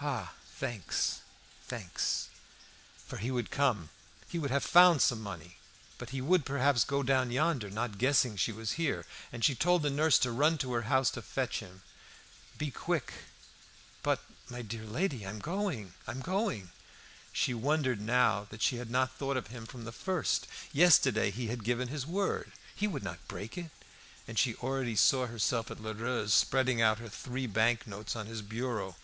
"Ah! thanks, thanks!" For he would come; he would have found some money. But he would, perhaps, go down yonder, not guessing she was here, and she told the nurse to run to her house to fetch him. "Be quick!" "But, my dear lady, I'm going, I'm going!" She wondered now that she had not thought of him from the first. Yesterday he had given his word; he would not break it. And she already saw herself at Lheureux's spreading out her three bank notes on his bureau.